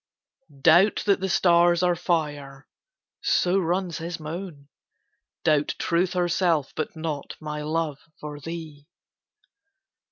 "Doubt that the stars are fire," so runs his moan, "Doubt Truth herself, but not my love for thee!"